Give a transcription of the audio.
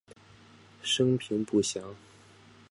生平不详。